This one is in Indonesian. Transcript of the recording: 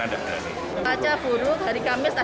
pada hari kamis